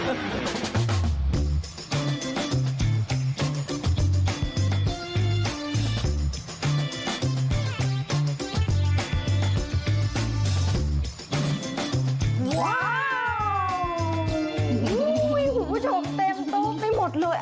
โอ้โฮผู้ชมเต็มโต๊ะไม่หมดเลย